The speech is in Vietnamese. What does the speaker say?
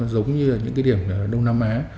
giống như những điểm đông nam á